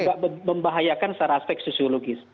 agak membahayakan secara aspek sisiologis